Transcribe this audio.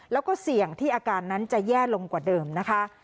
แล้วก็เสี่ยงที่อาการนั้นจะแย่ลงกว่าเดิมนะคะ